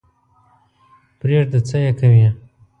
پرېږده څه یې کوې.